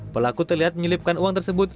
pelaku terlihat menyelipkan uang tersebut